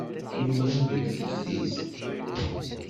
Nurar deg teftist.